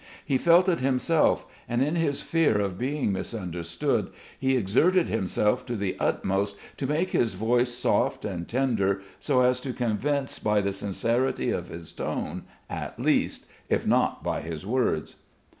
He felt it himself, and in his fear of being misunderstood he exerted himself to the utmost to make his voice soft and tender so as to convince by the sincerity of his tone at least, if not by his words.